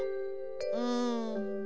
うん。